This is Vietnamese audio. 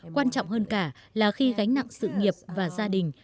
quan trọng hơn cả là khi gánh nặng sự nghiệp và gia đình